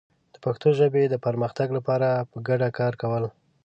د پښتو ژبې د پرمختګ لپاره په ګډه کار کول